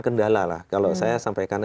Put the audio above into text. kendala lah kalau saya sampaikan